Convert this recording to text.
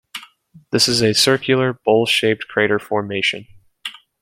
This is a circular, bowl-shaped crater formation.